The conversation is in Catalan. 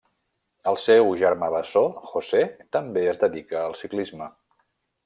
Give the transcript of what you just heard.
El seu germà bessó José també es dedica al ciclisme.